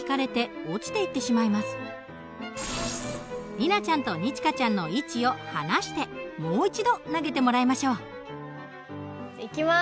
里奈ちゃんと二千翔ちゃんの位置を離してもう一度投げてもらいましょう。いきます！